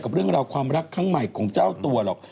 กับเรื่องเราระว์ความรักข้างใหม่ของเจ้าตัวหรอก